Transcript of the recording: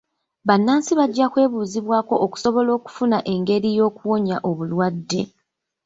Bannansi bajja kwebuuzibwako okusobola okufuna engeri y'okuwonya obulwadde.